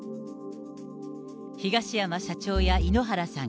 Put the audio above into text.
東山社長や井ノ原さん、